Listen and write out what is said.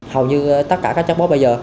hầu như tất cả các chatbot bây giờ